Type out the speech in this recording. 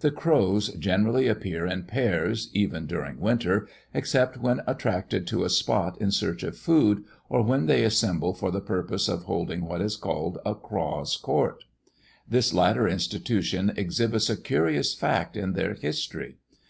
The crows generally appear in pairs, even during winter, except when attracted to a spot in search of food, or when they assemble for the purpose of holding what is called a Craws' Court. This latter institution exhibits a curious fact in their history.